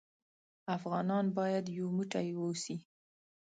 افغانان بايد يو موټى اوسې.